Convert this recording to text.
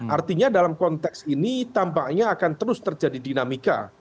artinya dalam konteks ini tampaknya akan terus terjadi dinamika